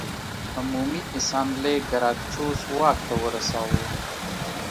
عمومي اسامبلې ګراکچوس واک ته ورساوه